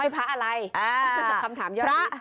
พระไม่มีแต่มีพยาน